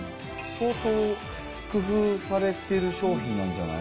相当、工夫されてる商品なんじゃない？